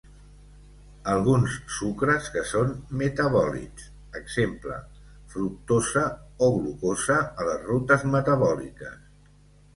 Alguns sucres que són metabòlits; exemple: fructosa o glucosa a les rutes metabòliques.